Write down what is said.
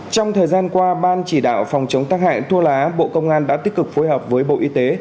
trong thời gian qua ban chỉ đạo phòng chống tác hại tua lá bộ công an đã tích cực phối hợp với bộ y tế